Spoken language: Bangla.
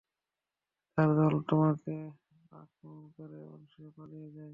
তার দল তোমাকে আক্রমণ করে এবং সে পালিয়ে যায়।